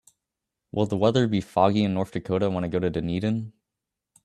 Will the weather be foggy in North Dakota when I go to Dunedin